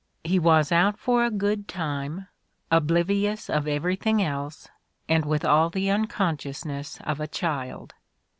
He was out for a good time, oblivious of everything else and with all the un consciousness of a child.